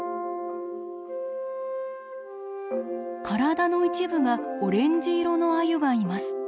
体の一部がオレンジ色のアユがいます。